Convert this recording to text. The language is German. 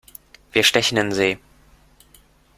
Wir stechen in See!